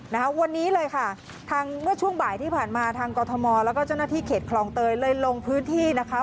นะคะวันนี้เลยค่ะทางเมื่อช่วงบ่ายที่ผ่านมาทางกรทมแล้วก็เจ้าหน้าที่เขตคลองเตยเลยลงพื้นที่นะคะ